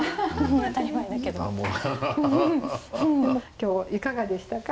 今日いかがでしたか？